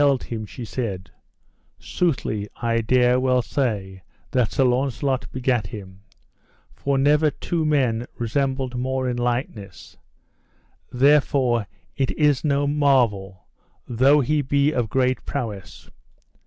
When she beheld him she said: Soothly I dare well say that Sir Launcelot begat him, for never two men resembled more in likeness, therefore it nis no marvel though he be of great prowess.